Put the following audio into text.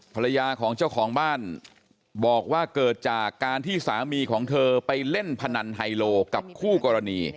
ภรรยาของเจ้าของบ้านบอกว่าเกิดจากการที่สามีของเธอไปเล่นพนันไฮโลกับคู่กรณี